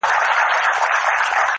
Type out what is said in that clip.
بیا به راسي په سېلونو بلبلکي،